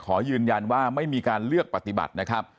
ขอยืนยันว่าไม่มีการเลือกปฏิบัตินะครับ